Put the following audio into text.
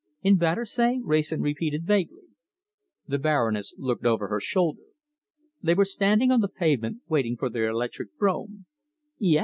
"In Battersea?" Wrayson repeated vaguely. The Baroness looked over her shoulder. They were standing on the pavement, waiting for their electric brougham. "Yes!"